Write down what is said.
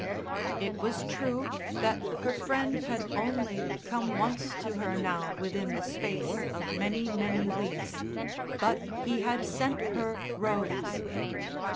It was true that her friend had only come once to her now within the space of many, many weeks, but he had sent her Rose.